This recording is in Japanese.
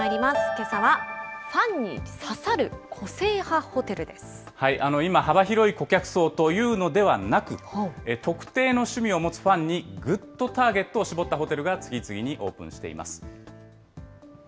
けさは、今、幅広い顧客層というのではなく、特定の趣味を持つファンにぐっとターゲットを絞ったホテルが次々にオープンしています。